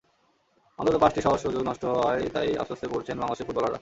অন্তত পাঁচটি সহজ সুযোগ নষ্ট হওয়ায় তাই আফসোসে পুড়ছেন বাংলাদেশের ফুটবলাররা।